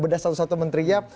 bedas satu satu menteri ya